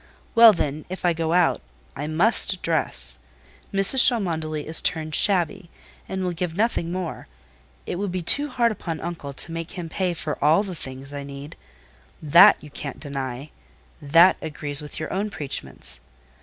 Well, then, if I go out, I must dress. Mrs. Cholmondeley is turned shabby, and will give nothing more; it would be too hard upon uncle to make him pay for all the things I need: that you can't deny—that agrees with your own preachments.